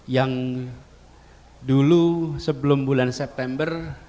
yang dulu sebelum bulan september